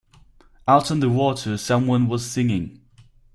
Out on the water someone was singing.